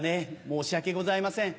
申し訳ございません。